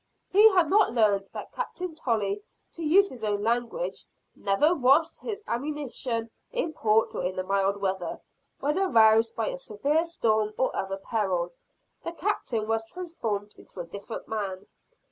He had not learned that Captain Tolley, to use his own language, "never washed his ammunition in port or in mild weather." When aroused by a severe storm or other peril, the Captain was transformed into a different man.